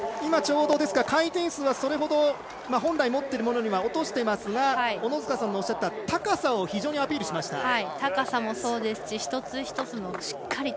今、ちょうど回転数は本来持っているものより落としてますが小野塚さんのおっしゃった高さを非常にアピールしました。